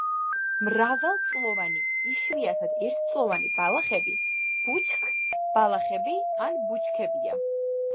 მრავალწლოვანი, იშვიათად ერთწლოვანი ბალახები, ბუჩქბალახები ან ბუჩქებია.